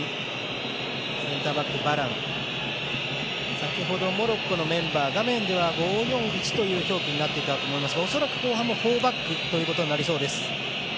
先ほど、モロッコのメンバー画面では５−４−１という表記になっていたと思いますが恐らく後半も４バックということになりそうです。